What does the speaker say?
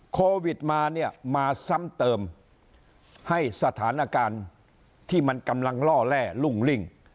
โควิดมาเนี่ยมาซ้ำเติมให้สถานการณ์ที่มันกำลังล่อแร่รุ่งลิ่ง